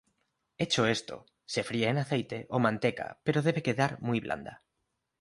Hecho esto, se fríe en aceite o manteca pero debe quedar muy blanda.